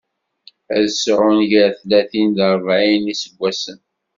Ad sɛun gar tlatin d rebεin n yiseggasen.